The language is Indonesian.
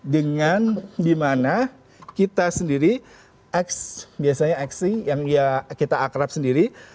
dengan di mana kita sendiri x biasanya x ing yang kita akrab sendiri